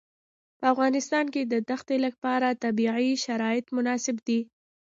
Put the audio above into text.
په افغانستان کې د دښتې لپاره طبیعي شرایط مناسب دي.